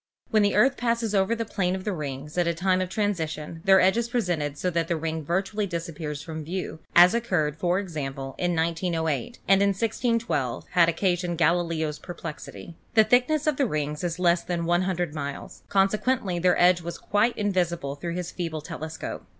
When the Earth passes over the plane of the rings at the time of transition their edge is presented so that the ring virtu ally disappears from view, as occurred, for example, in 1908, and in 1612 had occasioned Galileo's perplexity. The thickness of the rings is less than 100 miles; conse quently their edge was quite invisible through his feeble telescope.